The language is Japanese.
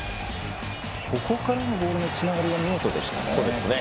ここからのボールのつながりは見事でしたね。